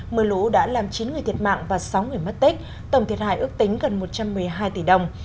mưa lũ đã làm chín người thiệt mạng và sáu người mất tích tổng thiệt hại ước tính gần một trăm một mươi hai tỷ đồng